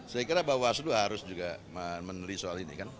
saya kira bawaslu harus juga meneli soal ini kan